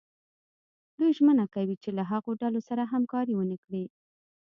دوی ژمنه کوي چې له هغو ډلو سره همکاري ونه کړي.